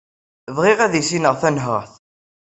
Bɣiɣ ad issineɣ tanhaṛt.